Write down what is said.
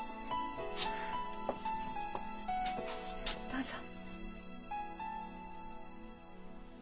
どうぞ。